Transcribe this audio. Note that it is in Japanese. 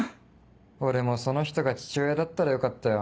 俺もその人が父親だったらよかったよ。